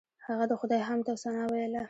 هغه د خدای حمد او ثنا ویله.